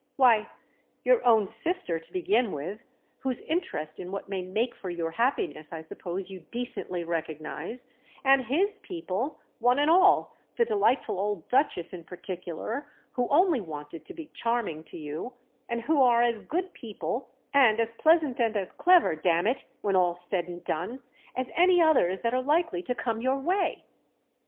"Why, your own sister to begin with—whose interest in what may make for your happiness I suppose you decently recognise; and his people, one and all, the delightful old Duchess in particular, who only wanted to be charming to you, and who are as good people, and as pleasant and as clever, damn it, when all's said and done, as any others that are likely to come your way."